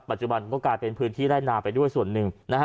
ปัจจุบันก็กลายเป็นพื้นที่ไร่นาไปด้วยส่วนหนึ่งนะฮะ